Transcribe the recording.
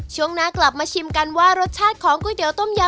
ช่วงหน้ากลับมาชิมกันว่ารสชาติของก๋วยเตี๋ยต้มยำ